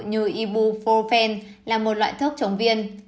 như ibuprofen là một loại thước chống viêm